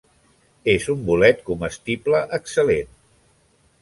És un bolet comestible excel·lent.